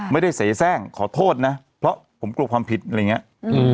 ไม่ได้เสียแทร่งขอโทษนะเพราะผมกลัวความผิดอะไรอย่างเงี้ยอืม